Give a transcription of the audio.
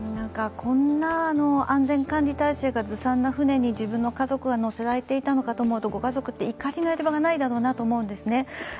こんな安全管理体制がずさんな船に自分の家族が乗せられていたのかと思うとご家族は怒りのやり場がないだろうなと思うんですね。